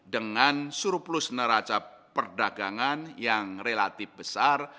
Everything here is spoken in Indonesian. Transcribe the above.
dengan surplus neraca perdagangan yang relatif besar